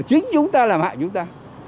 chúng ta làm hại chúng ta